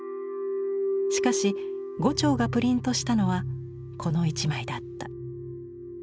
しかし牛腸がプリントしたのはこの１枚だった。